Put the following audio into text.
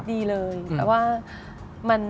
ดีเลยแต่ว่ามัน